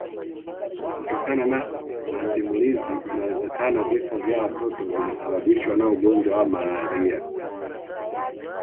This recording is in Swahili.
Kutokana na masimulizi inawezekana vifo vya watoto vilisababishwa na ugonjwa wa malaria